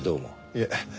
いえ。